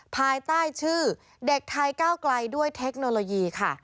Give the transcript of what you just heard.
ภายใต้ชื่อเด็กไทยก้าวไกลด้วยเทคโนโลยีค่ะ